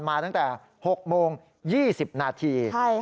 มาตั้งแต่๖โมง๒๐นาที